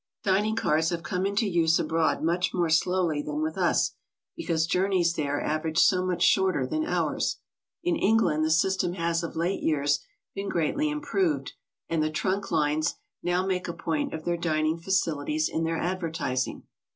Dining cars have come into use abroad much more slowly than with us, because journeys there average so much HOW TO TRAVEL ABROAD. 59 shorter than ours. In England the system has of late years been greatly improved, and the trunk lines now makj a point of their dining facilities in their advertising.